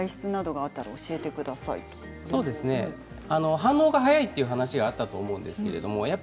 反応が早いという話があったと思います。